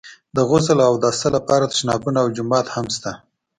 د غسل او اوداسه لپاره تشنابونه او جومات هم شته.